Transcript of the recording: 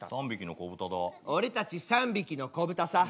「俺たち３匹の子豚さ。